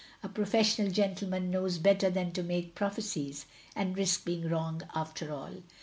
"A professional gentle man knows better than to make prophecies and risk being wrong after all.